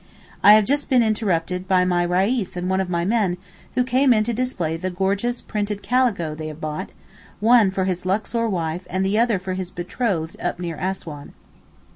I have just been interrupted by my Reis and one of my men, who came in to display the gorgeous printed calico they have bought; one for his Luxor wife and the other for his betrothed up near Assouan.